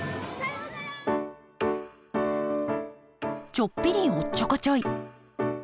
ちょっぴりおっちょこちょい。